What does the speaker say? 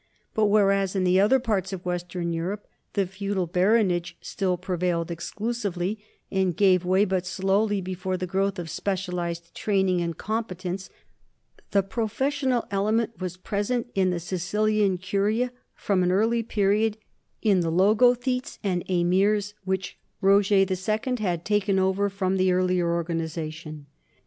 But whereas in the other parts of western Europe the feudal baronage still prevailed exclusively and gave way but slowly before the growth of specialized training and competence, the professional element was present in the Sicilian curia from an early period in the logothetes and emirs which Roger II had taken over from the earlier organization.